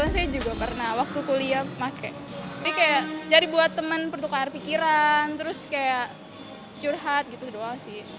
saya juga pernah waktu kuliah pakai ini kayak cari buat temen pertukar pikiran terus kayak curhat gitu doang sih